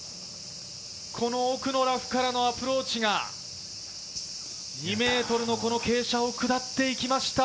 この奥のラフからのアプローチが２ｍの傾斜を下っていきました。